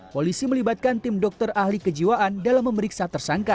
polisi melibatkan tim dokter ahli kejiwaan dalam memeriksa tersangka